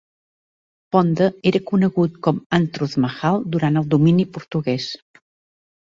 Ponda era conegut com Antruz Mahal durant el domini portuguès.